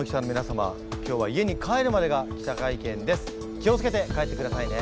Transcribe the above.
気を付けて帰ってくださいね。